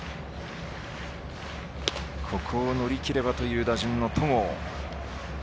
ここを乗り切ればという打順の戸郷。